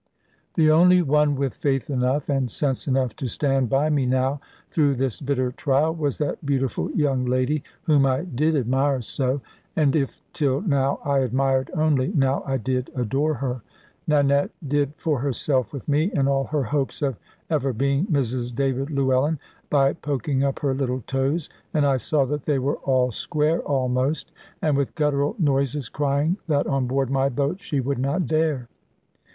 The only one with faith enough, and sense enough, to stand by me now, through this bitter trial, was that beautiful young lady, whom I did admire so. And if till now I admired only, now I did adore her. Nanette did for herself with me, and all her hopes of ever being Mrs David Llewellyn, by poking up her little toes, and I saw that they were all square almost, and with guttural noises crying that on board my boat she would not dare.